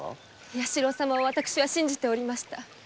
弥四郎様を私は信じておりました。